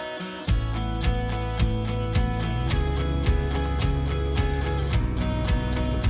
pengiriman tex ayo servis